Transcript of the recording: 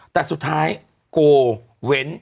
แต่สุดท้ายโกเว้น